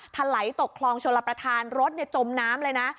ทะไหลตกคลองชนระประทานรถจมน้ำเลยนะ